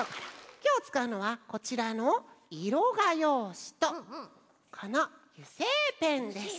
きょうつかうのはこちらのいろがようしとこのゆせいペンです。